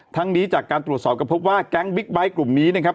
ทั้งนี้จากการตรวจสอบก็พบว่าแก๊งบิ๊กไบท์กลุ่มนี้นะครับ